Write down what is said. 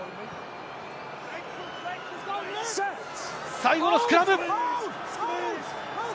最後のスクラム！